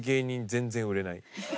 全然売れない」